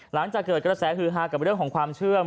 หลังจากเกิดกระแสฮือฮากับเรื่องของความเชื่อม